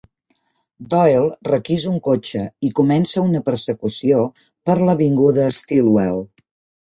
Doyle requisa un cotxe i comença una persecució per l'avinguda Stillwell.